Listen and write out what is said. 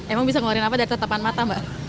emang bisa menular apa dari tetapan mata mbak